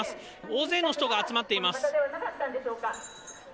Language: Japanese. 大勢の人が集まっています。